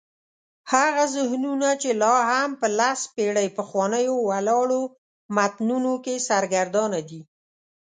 هغه ذهنونه چې لا هم په لس پېړۍ پخوانیو ولاړو متونو کې سرګردانه دي.